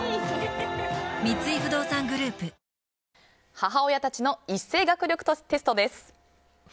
母親たちの一斉学力テストです。